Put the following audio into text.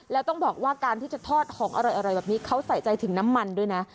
แล้วต้องบอกว่าการที่จะทอดของอร่อยแบบนี้เขาใส่ใจถึงน้ำมันด้วยนะ